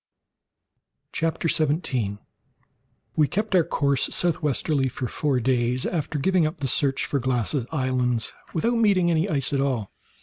CHAPTER 17 We kept our course southwardly for four days after giving up the search for Glass's islands, without meeting with any ice at all.